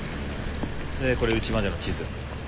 でこれうちまでの地図。